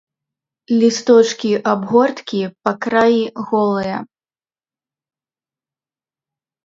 Лісточкі абгорткі па краі голыя.